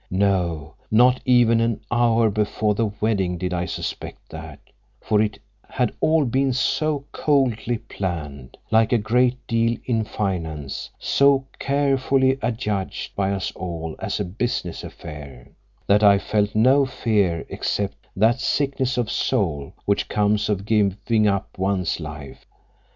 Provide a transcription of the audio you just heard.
No, not even an hour before the wedding did I suspect that, for it had all been so coldly planned, like a great deal in finance—so carefully adjudged by us all as a business affair, that I felt no fear except that sickness of soul which comes of giving up one's life.